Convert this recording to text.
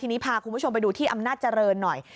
ทีนี้พาคุณผู้ชมไปดูที่อำนาจเจริญหน่อย